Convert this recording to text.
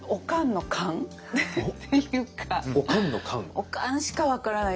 おかんしか分からない